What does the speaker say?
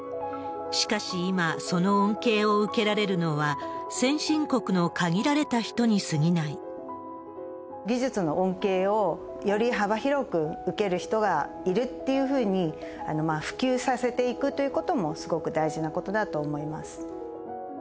しかし今、その恩恵を受けられるのは、技術の恩恵を、より幅広く受ける人がいるっていうふうに、普及させていくということもすごく大事なことだと思います。